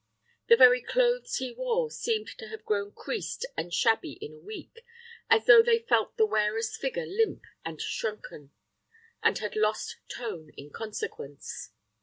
The very clothes he wore seemed to have grown creased and shabby in a week, as though they felt the wearer's figure limp and shrunken, and had lost tone in consequence.